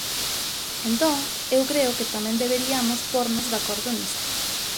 Entón, eu creo que tamén deberiamos pórnos de acordo nisto.